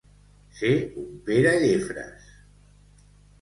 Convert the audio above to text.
Ser un Pere Llefres.